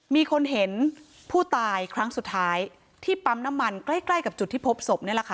มีคนเห็นผู้ตายครั้งสุดท้ายที่ปั๊มน้ำมันใกล้กับจุดที่พบศพนี่แหละค่ะ